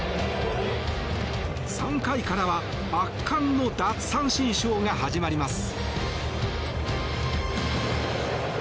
３回からは圧巻の奪三振ショーが始まります。